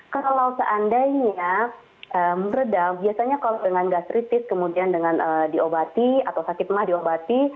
kalau seandainya meredam biasanya kalau dengan gas kritis kemudian dengan diobati atau sakit mah diobati